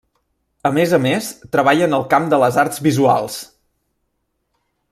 A més a més, treballa en el camp de les arts visuals.